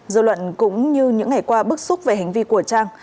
dư luận cũng như những ngày qua bức xúc về hành vi của trang